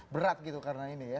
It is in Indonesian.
berat gitu karena ini ya